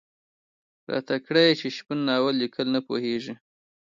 راته کړه یې چې شپون ناول ليکل نه پوهېږي.